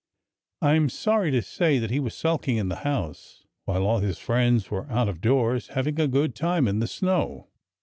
I am sorry to say that he was sulking in the house, while all his friends were out of doors, having a good time in the snow.